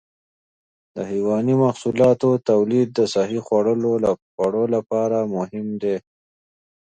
د حيواني محصولاتو تولید د صحي خوړو لپاره مهم دی.